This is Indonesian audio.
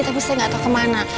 tapi saya nggak tahu kemana